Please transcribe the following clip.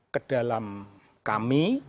ke dalam kami